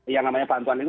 yang namanya bantuan itu